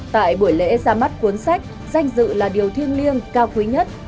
tại buổi lễ ra mắt cuốn sách danh dự là điều thiêng liêng cao quý nhất